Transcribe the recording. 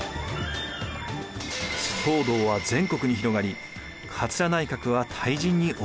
騒動は全国に広がり桂内閣は退陣に追い込まれます。